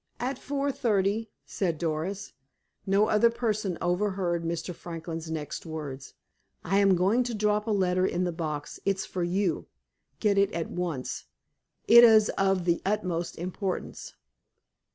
"At four thirty," said Doris. No other person overheard Mr. Franklin's next words: "I am now going to drop a letter in the box. It's for you. Get it at once. It is of the utmost importance."